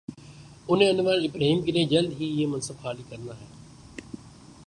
انہیں Anwar Ibrahim کے لیے جلد ہی یہ منصب خالی کر نا ہے۔